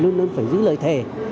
luôn luôn phải giữ lời thề